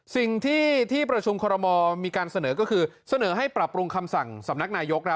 สิ่งที่ที่ประชุมคอรมอลมีการเสนอก็คือเสนอให้ปรับปรุงคำสั่งสำนักนายก